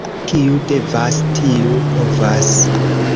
Kiu devas, tiu povas.